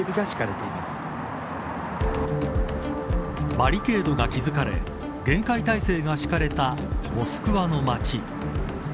バリケードが築かれ厳戒態勢が敷かれたモスクワの街。